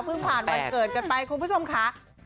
๒๘เพิ่งผ่านวันเกิดไปคุณผู้ชมค่ะ๒๘